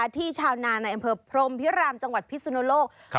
ชาวนาในอำเภอพรมพิรามจังหวัดพิสุนโลก